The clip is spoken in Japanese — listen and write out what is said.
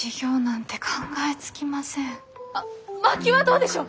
あっ薪はどうでしょう！